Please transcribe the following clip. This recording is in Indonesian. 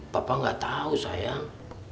papa gak tau sayang